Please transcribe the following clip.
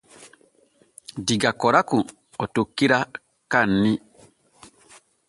Diga Koraku o tokkira Kaanni.